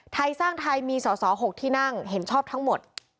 ไทยสร้างไทยมีสอสอ๖ที่นั่งเห็นชอบทั้งหมด